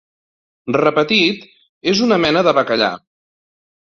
Repetit, és una mena de bacallà.